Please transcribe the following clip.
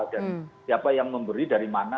dan siapa yang memberi dari mana